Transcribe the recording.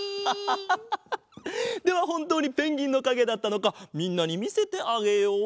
ではほんとうにペンギンのかげだったのかみんなにみせてあげよう。